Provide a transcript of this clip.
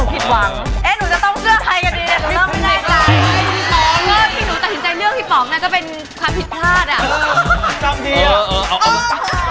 พี่ป๋องจะทำให้หนูผิดหวัง